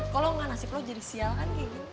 kalau enggak nasib lo jadi sial kan kayak gini